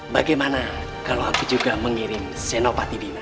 bagaimana kalau aku juga mengirim senopati dina